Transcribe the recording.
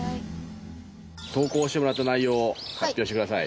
投稿してもらった内容を発表してください。